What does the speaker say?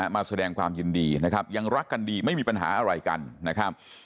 มาแสดงความยินดีนะครับยังรักกันดีไม่มีปัญหาอะไรกันนะครับ